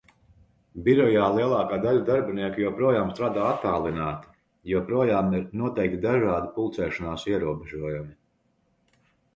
Birojā lielākā daļa darbinieku joprojām strādā attālināti. Joprojām ir noteikti dažādi pulcēšanās ierobežojumi.